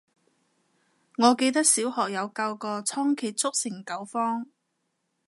我記得小學有教過倉頡速成九方